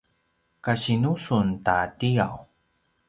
kasinu sun ta tiyaw?